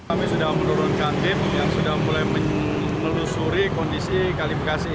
kami sudah menurunkan tim yang sudah mulai menelusuri kondisi kali bekasi